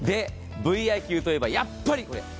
でＶｉＱといえばやっぱりこれ！